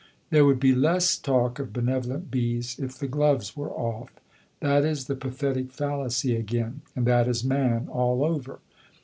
There would be less talk of benevolent bees if the gloves were off. That is the pathetic fallacy again; and that is man all over.